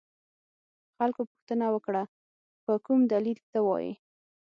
خلکو پوښتنه وکړه په کوم دلیل ته وایې.